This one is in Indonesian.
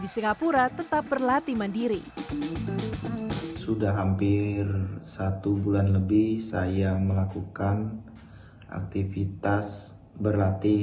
di singapura tetap berlatih mandiri sudah hampir satu bulan lebih saya melakukan aktivitas berlatih